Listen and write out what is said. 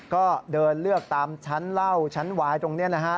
ก็เดินเลือกตามชั้นเหล้าชั้นวายตรงนี้นะฮะ